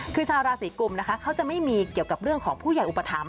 คือชาวราศีกุมนะคะเขาจะไม่มีเกี่ยวกับเรื่องของผู้ใหญ่อุปถัมภ